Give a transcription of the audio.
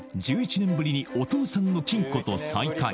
１１年ぶりにお父さんの金庫と再会